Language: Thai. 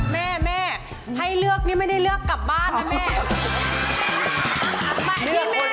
แม่แม่ให้เลือกนี่ไม่ได้เลือกกลับบ้านนะแม่